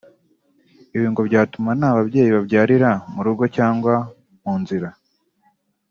ibi ngo byatuma nta babyeyi babyarira mu rugo cyangwa mu nzira